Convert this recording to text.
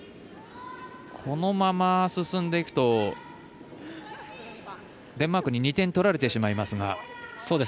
このまま進んでいくとデンマークに２点取られてしまいますが。